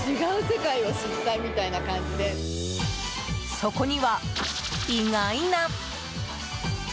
そこには、意外な。